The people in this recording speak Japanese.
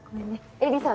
絵里さん